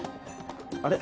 あれ？